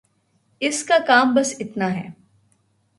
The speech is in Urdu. اس کا کام بس اتنا ہے۔